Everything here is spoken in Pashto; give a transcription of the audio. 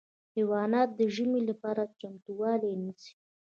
حیوانات د ژمي لپاره چمتووالی نیسي.